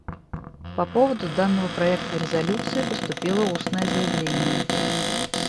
По поводу данного проекта резолюции поступило устное заявление.